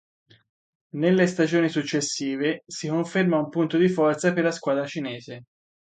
Nelle stagioni successive, si conferma un punto di forza per la squadra cinese.